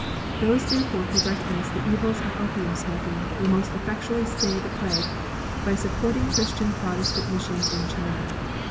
Those, therefore, who recognise the evils of opium smoking will most effectually stay the plague by supporting Cliristian Protestant Missions in China.